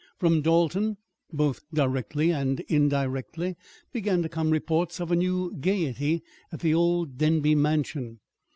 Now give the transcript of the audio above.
From Dalton, both directly and indirectly, began to come reports of a new gayety at the old Denby Mansion.